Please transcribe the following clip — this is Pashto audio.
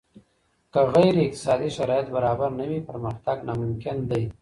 که غير اقتصادي شرايط برابر نه وي پرمختګ ناممکن دی.